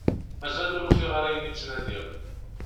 Mazal ur ufiɣ ara ayen i ttnadiɣ.